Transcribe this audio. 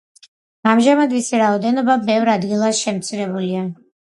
ამჟამად მისი რაოდენობა ბევრ ადგილას შემცირებულია.